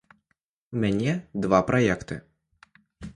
У мяне два праекты.